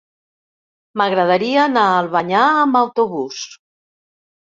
M'agradaria anar a Albanyà amb autobús.